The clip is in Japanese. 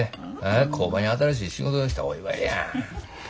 工場に新しい仕事が来たお祝いや。